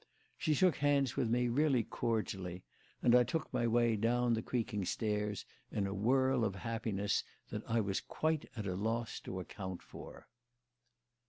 She shook hands with me really cordially, and I took my way down the creaking stairs in a whirl of happiness that I was quite at a loss to account for.